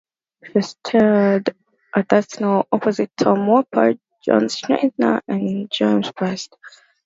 She starred on that show, opposite Tom Wopat, John Schneider and James Best.